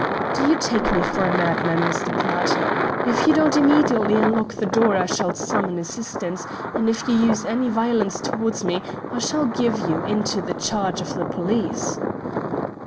"Do you take me for a madman, Mr. Pratt? If you don't immediately unlock the door I shall summon assistance, and if you use any violence towards me, I shall give you into the charge of the police."